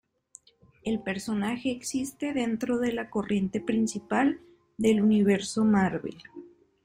El personaje existe dentro de la corriente principal del Universo Marvel.